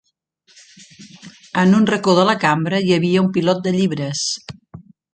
En un racó de la cambra hi havia un pilot de llibres.